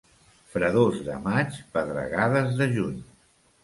Fredors de maig, pedregades de juny.